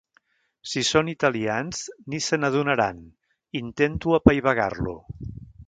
Si són italians ni se n'adonaran —intento apaivagar-lo—.